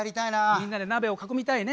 みんなで鍋を囲みたいね。